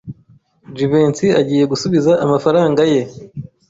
Jivency agiye gusubiza amafaranga ye?